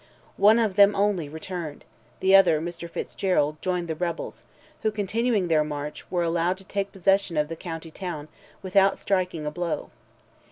One of them only returned, the other, Mr. Fitzgerald, joined the rebels, who, continuing their march, were allowed to take possession of the county town without striking a blow.